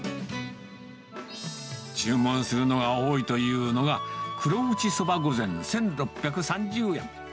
注文するのが多いというのが、黒打ちそば御膳１６３０円。